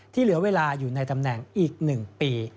ที่เหลือเวลาอยู่ในตำแหน่งอีกหนึ่งปี